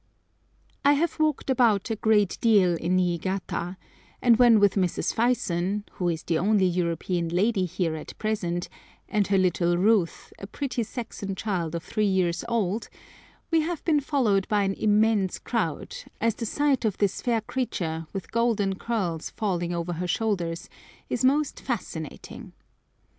I have walked about a great deal in Niigata, and when with Mrs. Fyson, who is the only European lady here at present, and her little Ruth, a pretty Saxon child of three years old, we have been followed by an immense crowd, as the sight of this fair creature, with golden curls falling over her shoulders, is most fascinating.